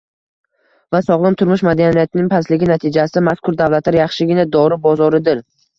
va sog‘lom turmush madaniyatining pastligi natijasida mazkur davlatlar yaxshigina «dori bozori»dir.